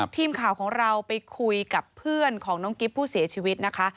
ทีมข่าวของเราไปคุยกับเพื่อนของน้องกิ๊บผู้เสียชีวิตนะคะ